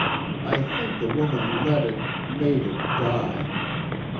I think the woman let it made it die.